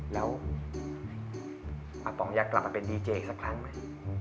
แล้วอาป๋องอยากกลับมาเป็นดีเจอีกสักครั้งไหม